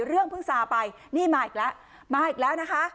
เรื่องเพิ่งซาไปนี่มาอีกแล้วมาอีกแล้วนะคะ